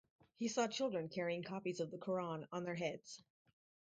He saw children carrying copies of the Koran on their heads.